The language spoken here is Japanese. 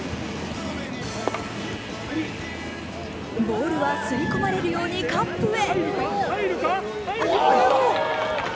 ボールは吸い込まれるようにカップへ。